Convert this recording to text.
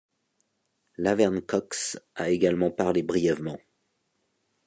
Laverne Cox a également parlé brièvement.